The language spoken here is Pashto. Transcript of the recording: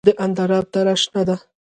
د اندراب دره شنه ده